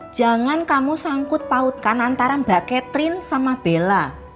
jangan kamu sangkut pautkan antara mbak catherine sama bella